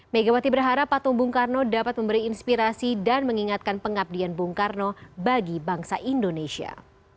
megawati berharap patung bung karno dapat memberi inspirasi dan mengingatkan pengabdian bung karno bagi bangsa indonesia